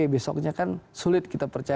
besoknya kan sulit kita percaya